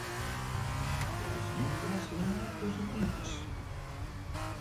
It is used also in lacquers and inks.